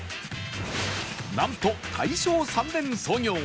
なんと大正３年創業